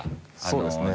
そうですね。